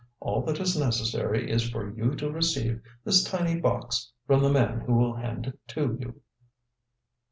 All that is necessary is for you to receive this tiny box from the man who will hand it to you."